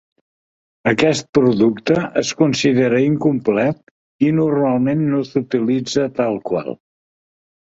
Aquest producte es considera incomplet i normalment no s'utilitza tal qual.